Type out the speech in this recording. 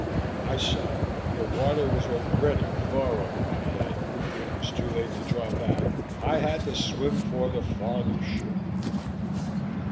I sighed. The water was already far over my head, but it was too late to draw back. I had to swim for the farther shore.